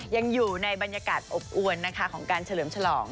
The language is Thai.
ยังอยู่ในบรรยากาศอบอวนนะคะของการเฉลิมฉลอง